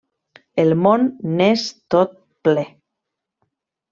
El món n'és tot ple.